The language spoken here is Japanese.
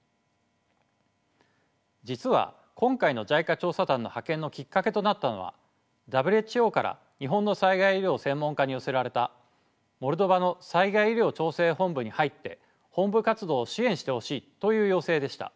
実は今回のＪＩＣＡ調査団の派遣のきっかけとなったのはＷＨＯから日本の災害医療専門家に寄せられたモルドバの災害医療調整本部に入って本部活動を支援してほしいという要請でした。